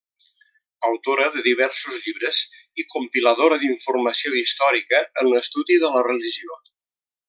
Autora de diversos llibres i compiladora d'informació històrica en l'estudi de la religió.